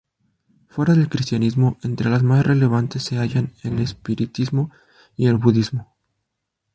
Fuera del cristianismo, entre las más relevantes se hallan el espiritismo y el budismo.